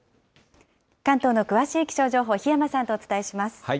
関東の詳しい気象情報、檜山さんとお伝えします。